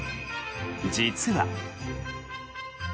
実は。